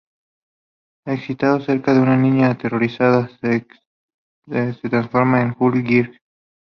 Excitado cerca de una niña aterrorizada, se transforma en Hulk Gris.